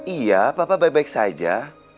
iya bapak baik baik saja